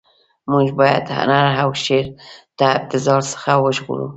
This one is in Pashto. موږ باید هنر او شعر له ابتذال څخه وژغورو.